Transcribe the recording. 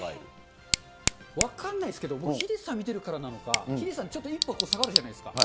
分かんないですけども、ヒデさん見てるからか、ヒデさん、ちょっと一歩下がるじゃないですか。